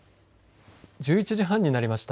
１１時半になりました。